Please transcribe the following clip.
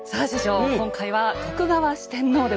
今回は「徳川四天王」でございます。